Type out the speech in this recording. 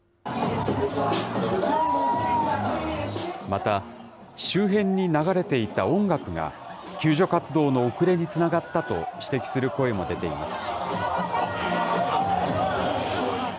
また、周辺に流れていた音楽が、救助活動の遅れにつながったと指摘する声も出ています。